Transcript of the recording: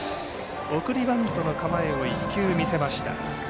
送りバントの構えを１球見せました。